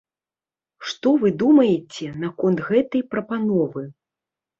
Што вы думаеце наконт гэтай прапановы?